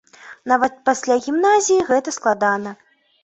Нават пасля гімназіі гэта складана.